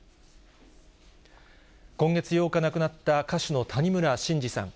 今月８日亡くなった、歌手の谷村新司さん。